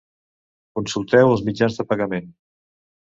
Consulteu els mitjans de pagament.